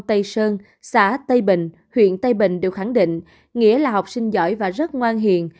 tây sơn xã tây bình huyện tây bình đều khẳng định nghĩa là học sinh giỏi và rất ngoan hiền